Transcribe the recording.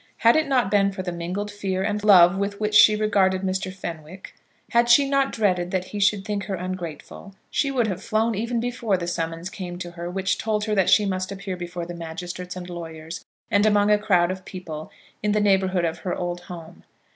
Had it not been for the mingled fear and love with which she regarded Mr. Fenwick, had she not dreaded that he should think her ungrateful, she would have flown even before the summons came to her which told her that she must appear before the magistrates and lawyers, and among a crowd of people, in the neighbourhood of her old home.